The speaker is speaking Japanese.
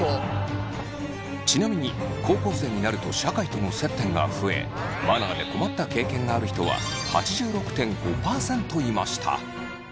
ちなみに高校生になると社会との接点が増えマナーで困った経験がある人は８６．５％いました。